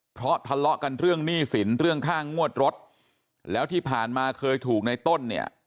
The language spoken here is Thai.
เพราะทะเลาะกันเรื่องหนี้สินเรื่องค่างวดรถแล้วที่ผ่านมาเคยถูกในต้นเนี่ย